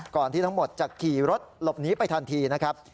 ที่ทั้งหมดจะขี่รถหลบหนีไปทันทีนะครับ